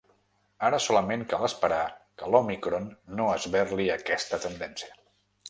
Ara solament cal esperar que l’òmicron no esberli aquesta tendència.